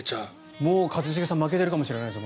もう一茂さんは負けているかもしれないですよ。